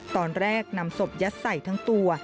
นำศพยัดใส่ทั้งตัว